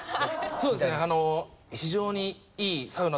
そうですねあの。